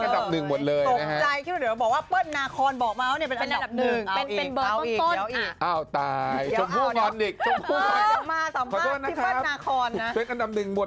สำหรับพี่เปิ้ลเนี่ยทุกคนเป็นอันดับหนึ่งหมด